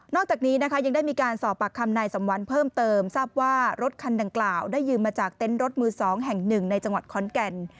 จากนี้นะคะยังได้มีการสอบปากคำนายสมวันเพิ่มเติมทราบว่ารถคันดังกล่าวได้ยืมมาจากเต็นต์รถมือ๒แห่ง๑ในจังหวัดขอนแก่น